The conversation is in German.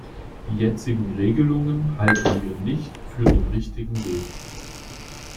Die jetzigen Regelungen halten wir nicht für den richtigen Weg.